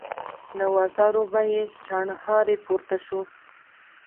له وزرو به يې شڼهاری پورته شو.